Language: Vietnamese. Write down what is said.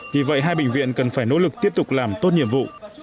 vì vậy hai bệnh viện cần phải nỗ lực tiếp tục làm tốt nhiệm vụ